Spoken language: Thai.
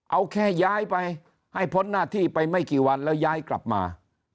เอาแค่ย้ายไปให้พ้นหน้าที่ไปไม่กี่วันแล้วย้ายกลับมา